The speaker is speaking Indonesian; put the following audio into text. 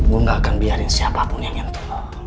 gue gak akan biarin siapapun yang nyanto